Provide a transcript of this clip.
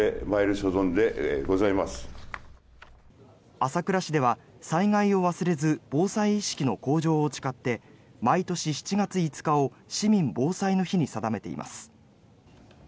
朝倉市では災害を忘れず防災意識の向上を誓って毎年７月５日を市民防災の日に定めています。